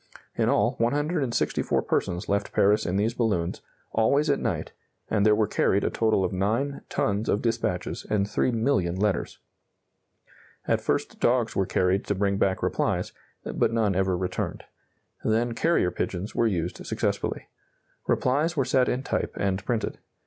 In all, 164 persons left Paris in these balloons, always at night, and there were carried a total of 9 tons of dispatches and 3,000,000 letters. At first dogs were carried to bring back replies, but none ever returned. Then carrier pigeons were used successfully. Replies were set in type and printed.